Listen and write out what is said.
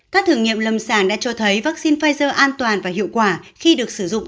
các thử nghiệm lâm sàng đã cho thấy vaccine pfizer an toàn và hiệu quả khi được sử dụng